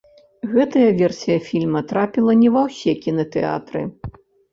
Гэтая версія фільма трапіла не ва ўсе кінатэатры.